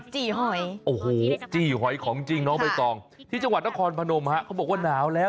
จี่หอยโอ้โหจี้หอยของจริงน้องใบตองที่จังหวัดนครพนมฮะเขาบอกว่าหนาวแล้ว